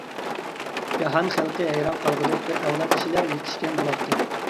جاھان خەلقى ھەيران قالغۇدەك بىر ئەۋلاد كىشىلەر يېتىشكەن بولاتتى.